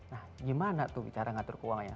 nah gimana tuh bicara ngatur keuangannya